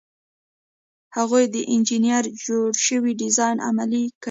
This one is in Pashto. هغوی د انجینر جوړ شوی ډیزاین عملي کوي.